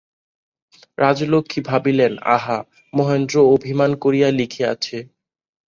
রাজলক্ষ্মী ভাবিলেন, আহা, মহেন্দ্র অভিমান করিয়া লিখিয়াছে।